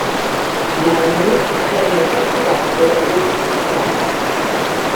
Magnus venne catturato e detronizzato.